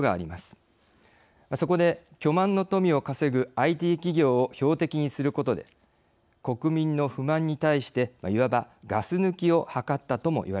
そこで巨万の富を稼ぐＩＴ企業を標的にすることで国民の不満に対していわばガス抜きを図ったともいわれています。